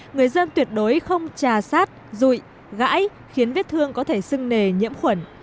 người dân tuyệt đối không trà sát rụi gãi khiến vết thương có thể sưng nề nhiễm khuẩn